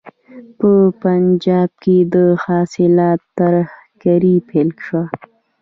په پنجاب کې د خالصتان تحریک پیل شو.